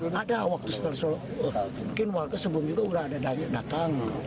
saya keluar minta tolong pohon balik lagi